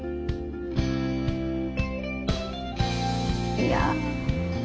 いや。